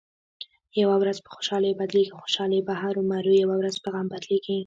یوه ورځ په خوشحالۍ بدلېږي او خوشحالي به هرومرو یوه ورځ په غم بدلېږې.